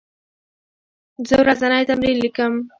زه ورځنی تمرین لیکم.